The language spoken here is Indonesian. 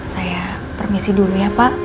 saya permisi dulu ya pak